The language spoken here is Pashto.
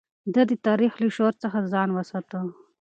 ده د تاريخ له شور څخه ځان وساته.